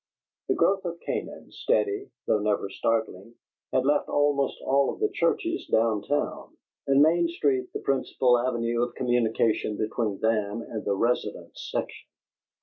The growth of Canaan, steady, though never startling, had left almost all of the churches down town, and Main Street the principal avenue of communication between them and the "residence section."